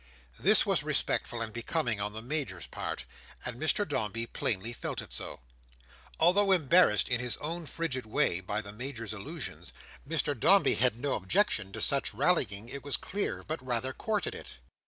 This was respectful and becoming on the Major's part, and Mr Dombey plainly felt it so. Although embarrassed in his own frigid way, by the Major's allusions, Mr Dombey had no objection to such rallying, it was clear, but rather courted it.